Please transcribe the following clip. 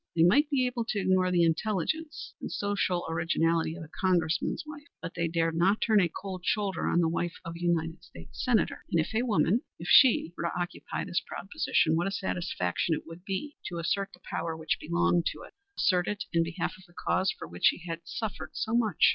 They might be able to ignore the intelligence and social originality of a Congressman's wife, but they dared not turn a cold shoulder on the wife of a United States Senator. And if a woman if she were to occupy this proud position, what a satisfaction it would be to assert the power which belonged to it; assert it in behalf of the cause for which she had suffered so much!